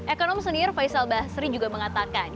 ekonom senior faisal basri juga mengatakan